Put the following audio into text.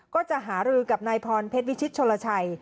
ก็จะหารือกับนายพรเพชรวิชิตชนลชัย